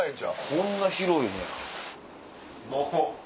こんな広いねや。